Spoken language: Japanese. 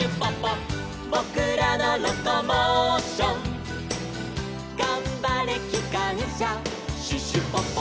「ぼくらのロコモーション」「がんばれきかんしゃシュシュポポ」